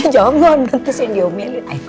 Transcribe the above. jangan berhenti sendiri omeli